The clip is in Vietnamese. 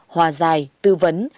hòa dài tư vấn